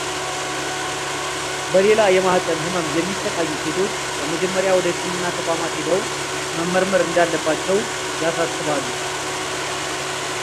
በሌላ የማህጸን ህመም የሚሰቃዩ ሴቶች በመጀመሪያ ወደ ህክምና ተቋማት ሄደው መመርመር እንዳለባቸው ያሳስባሉ።